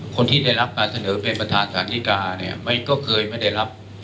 คนที่ได้รับการเสนอเป็นประธานสาธิกาเนี่ยก็เคยไม่ได้รับ